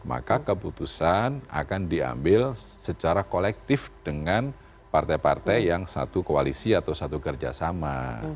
maka keputusan akan diambil secara kolektif dengan partai partai yang satu koalisi atau satu kerjasama